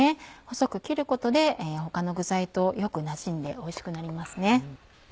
細く切ることで他の具材とよくなじんでおいしくなりますね。